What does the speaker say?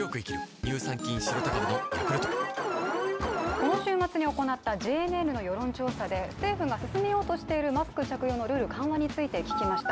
この週末に行ったＪＮＮの世論調査で政府が進めようとしているマスク着用のルール緩和について聞きました。